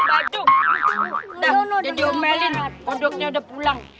dah dia diomelin kodoknya udah pulang